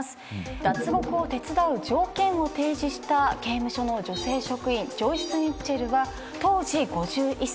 脱獄を手伝う条件を提示した刑務所の職員ジョイス・ミッチェルは当時５１歳。